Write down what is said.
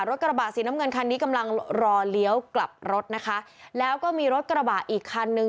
กระบะสีน้ำเงินคันนี้กำลังรอเลี้ยวกลับรถนะคะแล้วก็มีรถกระบะอีกคันนึง